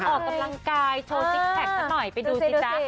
ออกกำลังกายโชว์ซิกแพคสักหน่อยไปดูสิจ๊ะ